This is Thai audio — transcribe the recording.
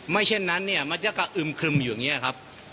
เช่นนั้นมันจะกระอึมครึมอยู่อย่างนี้ครับ